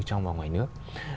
trong và ngoài nước